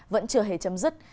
vẫn chưa hề chấm dứt